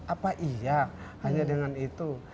apa iya hanya dengan itu